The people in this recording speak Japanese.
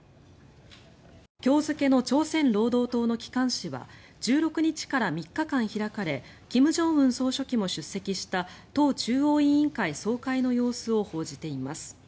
今日付の朝鮮労働党の機関紙は１６日から３日間開かれ金正恩総書記も出席した党中央委員会総会の様子を報じています。